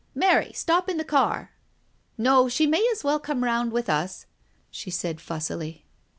"Mary, stop in the car! ... No, she may as well come round with us," she said fussily.